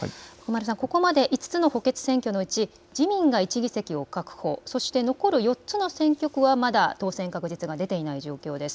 ここまで５つの補欠選挙のうち自民が１議席を確保、そして残る４つの選挙区はまだ当選確実が出ていない状況です。